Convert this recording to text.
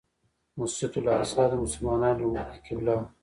مسجد الاقصی د مسلمانانو لومړنۍ قبله وه.